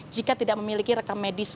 jika tidak memiliki rekam medis